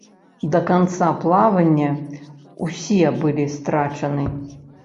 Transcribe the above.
Да канца плавання ўсе былі страчаны.